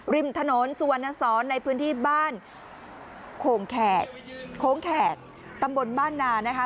ริมถนนสุวรรณสอนในพื้นที่บ้านโคงแขกโค้งแขกตำบลบ้านนานะคะ